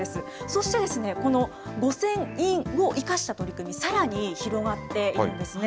そして、この御船印を生かした取り組み、さらに広がっているんですね。